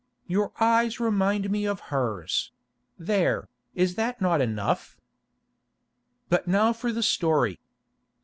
Your eyes remind me of hers—there, is that not enough? "But now for the story.